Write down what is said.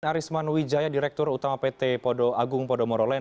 arisman wijaya direktur utama pt agung podomorolen